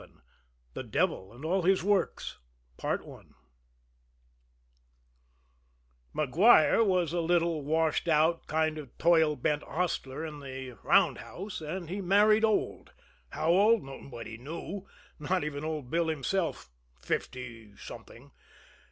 VII "THE DEVIL AND ALL HIS WORKS" Maguire was a little, washed out, kind of toil bent hostler in the roundhouse and he married old. How old? Nobody knew not even old Bill himself fifty something.